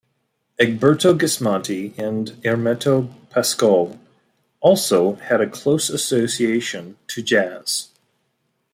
Egberto Gismonti and Hermeto Pascoal also had a close association to jazz.